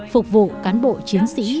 phục vụ cán bộ chiến sĩ